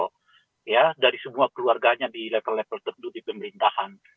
untuk menguasai semua keluarganya di level level terduduk di pemerintahan